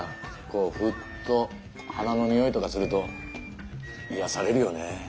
こうフッと花のにおいとかすると癒やされるよね。